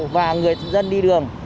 và người dân đi đường